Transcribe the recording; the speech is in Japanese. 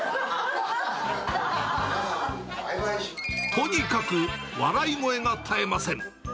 とにかく笑い声が絶えません。